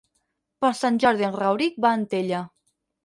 Per Sant Jordi en Rauric va a Antella.